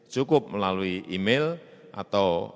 cukup melalui email atau